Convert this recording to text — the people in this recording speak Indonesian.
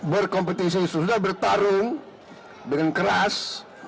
berkompetisi sudah bertarung dengan keras